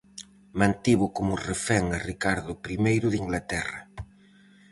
Mantivo como refén a Ricardo Primeiro de Inglaterra.